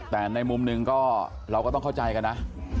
แต่ในมุมหนึ่งก็เราก็ต้องเข้าใจกันนะ